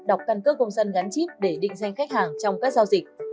đọc căn cước công dân gắn chip để định danh khách hàng trong các giao dịch